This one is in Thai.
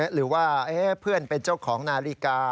หรือว่าเพื่อนเป็นเจ้าของนาฬิกา